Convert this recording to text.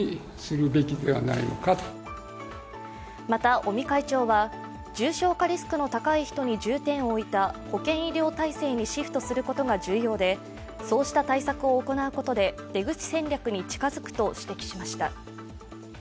また尾身会長は、重症化リスクの高い人に重点を置いた保健医療体制にシフトすることが重要で、そうした対策を行うことで出口戦略に近づくと指摘しました。